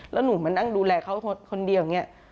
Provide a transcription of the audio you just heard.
แล้วหนูมานั่งดูแลเขาคนเดียวอย่างนี้